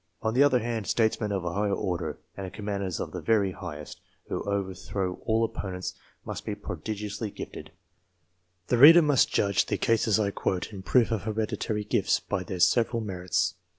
On the other hand, states len of a high order, and commanders of the very highest, who overthrow all opponents, must be prodigiously gifted. The reader himself must judge the cases quoted in proof of hereditary gifts, by their several merits.